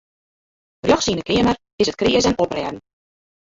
Rjochts yn de keamer is it kreas en oprêden.